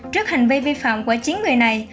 trước hành vi vi phạm của chín người này